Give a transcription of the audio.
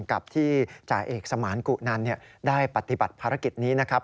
กับที่จ่าเอกสมานกุนันได้ปฏิบัติภารกิจนี้นะครับ